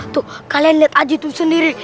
tuh kalian lihat aja tuh sendiri